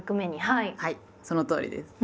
はいそのとおりです。